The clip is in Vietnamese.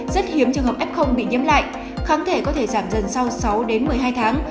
rất hiếm trường hợp f bị nhiễm lại kháng thể có thể giảm dần sau sáu đến một mươi hai tháng